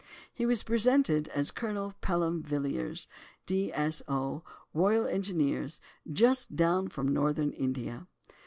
He was presented as Colonel Pelham Villiers, D.S.O., Royal Engineers, just down from Northern India.